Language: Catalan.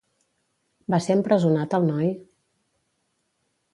Va ser empresonat el noi?